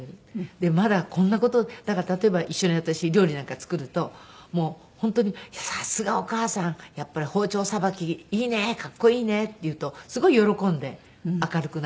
でまだこんな事例えば一緒に私料理なんか作ると本当に「さすがお母さんやっぱり包丁さばきいいねかっこいいね」って言うとすごい喜んで明るくなるし。